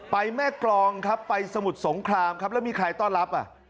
ไปแม่กรองครับไปสมุทรสงครามครับแล้วมีใครต้อนรับอ่ะ